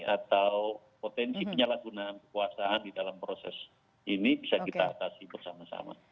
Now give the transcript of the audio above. atau potensi penyalahgunaan kekuasaan di dalam proses ini bisa kita atasi bersama sama